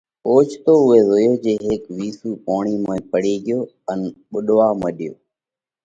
اوچتو اُوئہ زويو جي هيڪ وِيسُو پوڻِي موئين پڙي ڳيو ان ٻُوڏوا مڏيو۔